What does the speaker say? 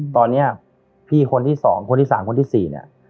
ตอนเนี้ยพี่คนที่สองคนที่สามคนที่สี่เนี้ย